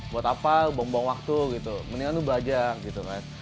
buat apa buang buang waktu gitu mendingan lu belajar gitu kan